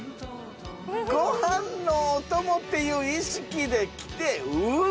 ご飯のお供っていう意識で来て海！